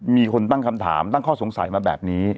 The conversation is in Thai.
มีคนตั้งคำถามตั้งข้อสงสัยมาแบบนี้